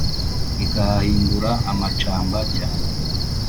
Ikahahindura amacamba cyane